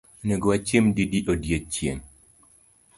Onego wachiem didi odiechieng’?